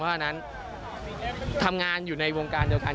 เพราะฉะนั้นทำงานอยู่ในวงการเดียวกัน